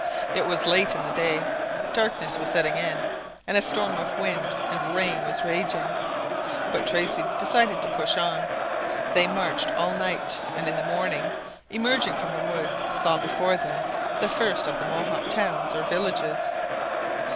It was late in the day, darkness was setting in, and a storm of wind and rain was raging. But Tracy decided to push on. They marched all night, and in the morning, emerging from the woods, saw before them the first of the Mohawk towns or villages.